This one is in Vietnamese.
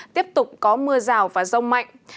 tiếp tục có mưa rào và rông mạnh